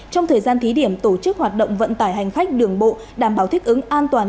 trong thời gian thí điểm tổ chức hoạt động vận tải hành khách đường bộ đảm bảo thích ứng an toàn